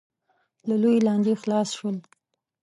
له لویې لانجې خلاص شول.